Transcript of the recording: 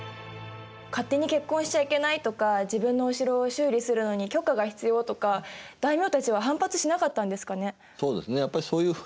勝手に結婚しちゃいけないとか自分のお城を修理をするのに許可が必要とか大名たちは反発しなかったんですかね？